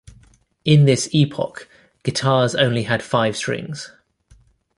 In this epoch, guitars only had five strings.